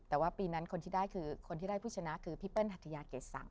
แต่ว่าปีนั้นคนที่ได้คือคนที่ได้ผู้ชนะคือพี่เปิ้ลหัทยาเกรดสัง